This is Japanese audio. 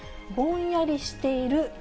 ぼんやりしている。